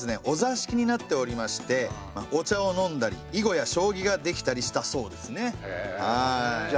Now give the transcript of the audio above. お座敷になっておりましてお茶を飲んだり囲碁や将棋ができたりしたそうですね。